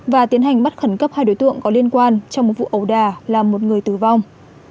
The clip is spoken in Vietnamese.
và tiến hành bắt khẩn cấp hai đối tượng có liên quan trong một vụ ầu đà làm một người tử vong